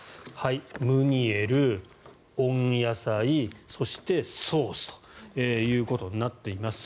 ムニエル、温野菜そしてソースということになっています。